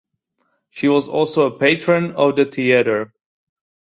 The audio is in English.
She was also a patron of the theatre.